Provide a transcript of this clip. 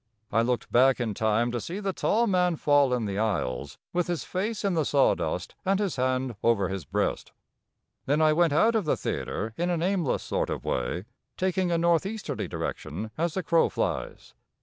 I looked back in time to see the tall man fall in the aisles with his face in the sawdust and his hand over his breast. Then I went out of the theatre in an aimless sort of way, taking a northeasterly direction as the crow flies.